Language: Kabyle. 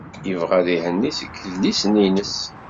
Yebɣa ad ihenni seg yedlisen-nnes.